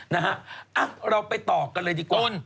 นะฮะเราไปต่อกันเลยดีกว่า